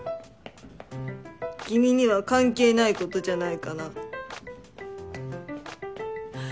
君には関係ないことじゃないかな。